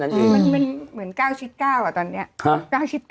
มันเหมือน๙๙อ่ะตอนนี้